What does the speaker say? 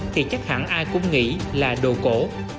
thì chắc hẳn ai cũng nghĩ là đồ cổ